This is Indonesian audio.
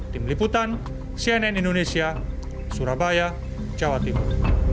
tim liputan cnn indonesia surabaya jawa timur